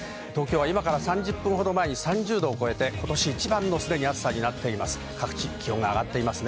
今から３０分ほど前に３０度を超えて、一番の暑さになっています。